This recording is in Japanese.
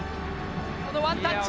このワンタッチ！